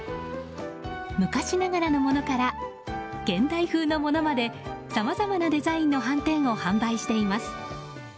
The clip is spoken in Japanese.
昔ながらのものから現代風のものまでさまざまなデザインのはんてんを販売しています。